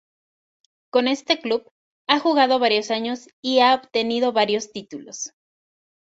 Con este club ha jugado por varios años y ha obtenido varios títulos.